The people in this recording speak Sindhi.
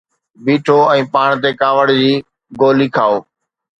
بيٺو ۽ پاڻ تي ڪاوڙ جي گولي کائو